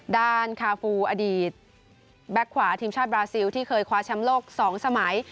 คาฟูอดีตแบ็คขวาทีมชาติบราซิลที่เคยคว้าแชมป์โลก๒สมัย